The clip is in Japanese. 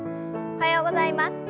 おはようございます。